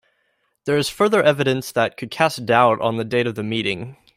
There is further evidence that could cast doubt on the date of the meeting.